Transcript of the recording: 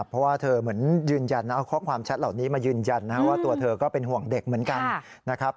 เพราะว่าเธอเหมือนยืนยันนะเอาข้อความแชทเหล่านี้มายืนยันว่าตัวเธอก็เป็นห่วงเด็กเหมือนกันนะครับ